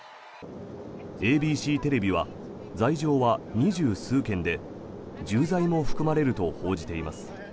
ＡＢＣテレビは罪状は２０数件で重罪も含まれると報じています。